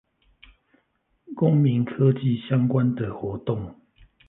公民科技相關的活動